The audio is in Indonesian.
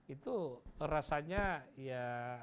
itu rasanya ya